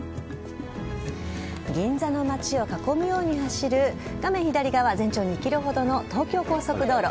銀座の街を囲むように走る画面左側全長２ｋｍほどの東京高速道路。